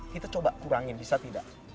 kita coba kurangin bisa tidak